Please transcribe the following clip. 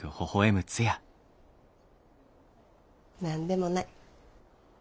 何でもない。